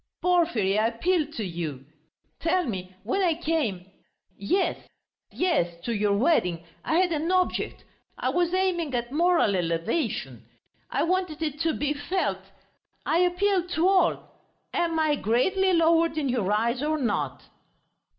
"Porfiry, I appeal to you.... Tell me, when I came ... yes ... yes, to your wedding, I had an object. I was aiming at moral elevation.... I wanted it to be felt.... I appeal to all: am I greatly lowered in your eyes or not?"